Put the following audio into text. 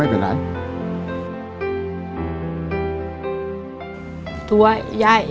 มันต้องการแล้วก็หายให้มัน